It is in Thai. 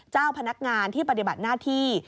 เจ้าพนักงานที่ปฏิบัติหน้าที่